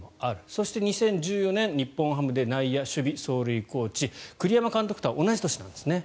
そして、２０１４年日本ハムで内野守備走塁コーチ栗山監督とは同い年なんですね。